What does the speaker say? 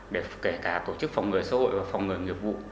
để kể cả tổ chức phòng người xã hội và phòng ngừa nghiệp vụ